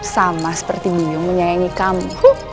sama seperti bingung menyayangi kamu